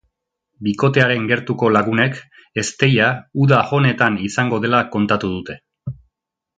Bikotearen gertuko lagunek ezteia uda honetan izango dela kontatu dute.